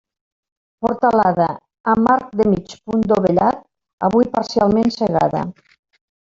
Portalada amb arc de mig punt dovellat, avui parcialment cegada.